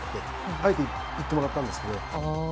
あえて言ってもらったんですけど。